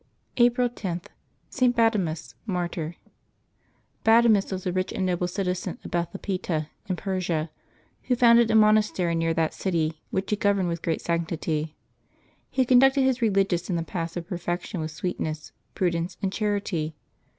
April 10— ST. BADEMUS, Martyr. ©ADEMUS was a rich and noble citizen of Bethlapeta in Persia, who founded a monastery near that city, which he governed with great sanctity. He conducted his religious in the paths of perfection with sweetness, pru dence, and charity.